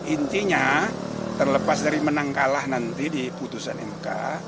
intinya terlepas dari menang kalah nanti di putusan mk